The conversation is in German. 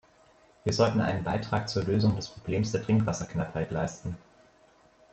Wir sollten einen Beitrag zur Lösung des Problems der Trinkwasserknappheit leisten.